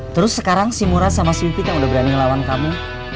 terus sekarang si murad sama si pipit yang udah berani ngelawan kamu